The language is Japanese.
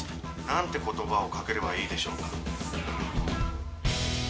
「何て言葉をかければいいでしょうか？」